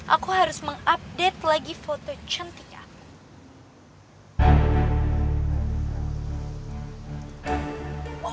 aku harus mengupdate lagi foto cantik aku